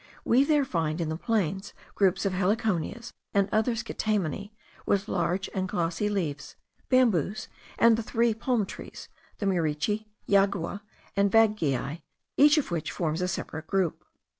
We there find in the plains groups of heliconias and other scitamineae with large and glossy leaves, bamboos, and the three palm trees, the murichi, jagua, and vadgiai, each of which forms a separate group.